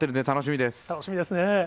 楽しみですね。